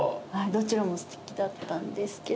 どちらも素敵だったんですけど。